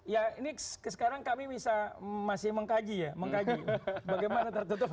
ya ini sekarang kami masih bisa mengkaji ya mengkaji bagaimana tertutup atau tertutup